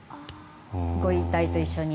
ご遺体と一緒に。